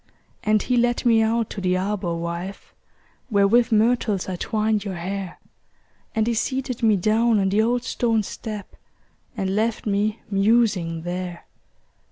And he led me out to the arbor, wife, Where with myrtles I twined your hair; And he seated me down on the old stone step, And left me musing there.